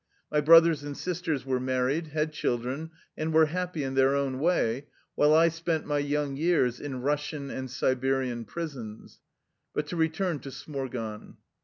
My brothers and sisters were married, had chil dren, and were happy in their own way, while I spent my young years in Russian and Siberian prisons. But to return to Smorgon.